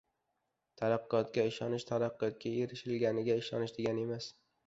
Taraqqiyotga ishonish taraqqiyotga erishilganiga ishonish degani emas.